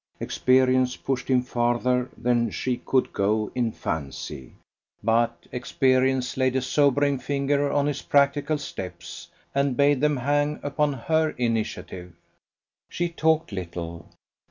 Experience pushed him farther than she could go in fancy; but experience laid a sobering finger on his practical steps, and bade them hang upon her initiative. She talked little.